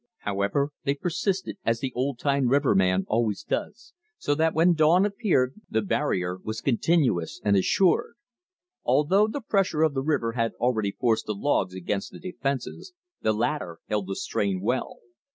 However, they persisted, as the old time riverman always does, so that when dawn appeared the barrier was continuous and assured. Although the pressure of the river had already forced the logs against the defenses, the latter held the strain well.